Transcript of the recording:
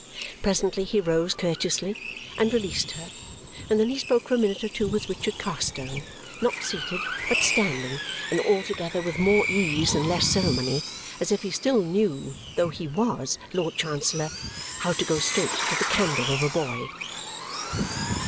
Presently he rose courteously and released her, and then he spoke for a minute or two with Richard Carstone, not seated, but standing, and altogether with more ease and less ceremony, as if he still knew, though he WAS Lord Chancellor, how to go straight to the candour of a boy.